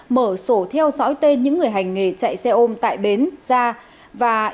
mở sổ theo dõi tên những người hành nghề chạy xe ôm tại bến gia